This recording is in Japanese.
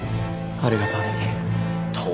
ありがとう兄貴。